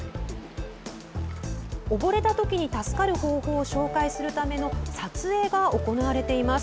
溺れたときに助かる方法を紹介するための撮影が行われています。